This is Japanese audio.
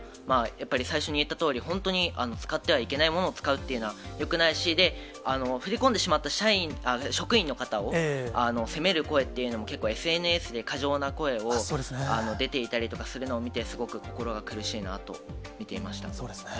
やっぱり最初に言ったとおり、本当に使ってはいけないものを使うっていうのはよくないし、で、振り込んでしまった社員、職員の方を責める声っていうのも結構、ＳＮＳで過剰な声が出ていたりとかするのを見ていて、すごく心がそうですね。